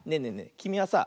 きみはさ